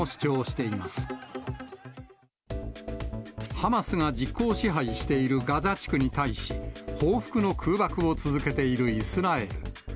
ハマスが実効支配しているガザ地区に対し、報復の空爆を続けているイスラエル。